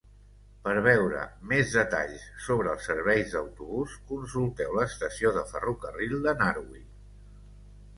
Per veure més detalls sobre els serveis d'autobús, consulteu l'estació de ferrocarril de Narwee.